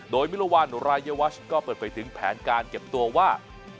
โดยมิลวัลรายวัชก็เปิดเผยถึงแผนการเก็บตัวว่า